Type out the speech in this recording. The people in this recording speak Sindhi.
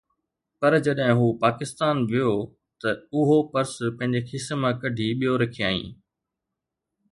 پر جڏهن هو پاڪستان ويو ته اهو پرس پنهنجي کيسي مان ڪڍي ٻيو رکيائين